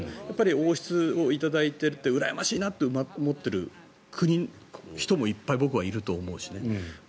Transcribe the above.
王室を頂いていてうらやましいなと思っている国、人も僕はいると思うしね。